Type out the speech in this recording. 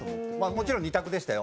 もちろん２択でしたよ。